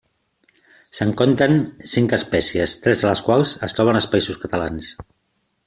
Se'n compten cinc espècies, tres de les quals es troben als Països Catalans.